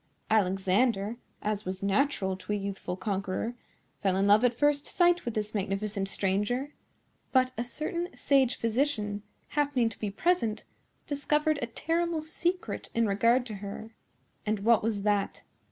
Alexander, as was natural to a youthful conqueror, fell in love at first sight with this magnificent stranger; but a certain sage physician, happening to be present, discovered a terrible secret in regard to her." "And what was that?"